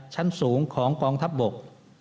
ชั้นสูงของกองทัพบก